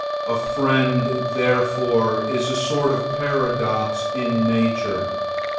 A friend therefore is a sort of paradox in nature.